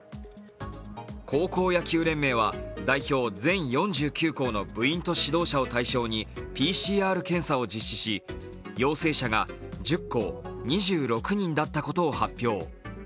高校野球連盟は代表全４９校の部員と指導者を対象にＰＣＲ検査を実施し、陽性者が１０校、２６人だったことを発表。